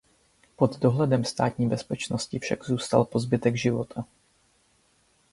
Pod dohledem Státní bezpečnosti však zůstal po zbytek života.